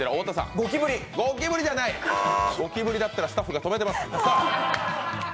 ゴキブリだったらスタッフが止めてます。